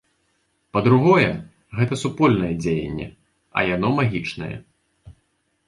Па-другое, гэта супольнае дзеянне, а яно магічнае.